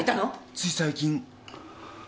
つい最近。